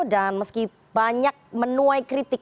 dan meski banyak menuai kritik